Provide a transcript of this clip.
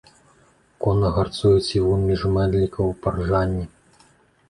Конна гарцуе цівун між мэндлікаў па ржанні.